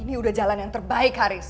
ini udah jalan yang terbaik haris